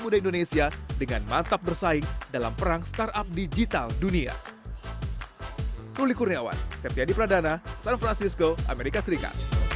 anak muda indonesia dengan mantap bersaing dalam perang startup digital dunia